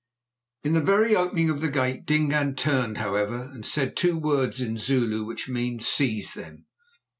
In the very opening of the gate Dingaan turned, however, and said two words in Zulu which mean: "Seize them!"